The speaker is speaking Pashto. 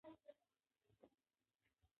باران د افغانستان یو ډېر لوی طبعي ثروت دی.